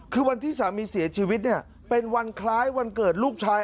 คือวันที่สามีเสียชีวิตเนี่ยเป็นวันคล้ายวันเกิดลูกชาย